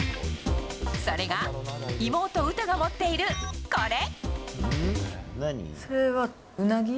それが、妹・詩が持っているこれ。